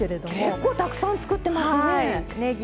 結構たくさん作ってますねえ。